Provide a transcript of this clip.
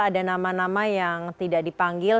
ada nama nama yang tidak dipanggil